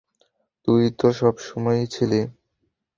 তুইতো সবসময়ই ছিলি।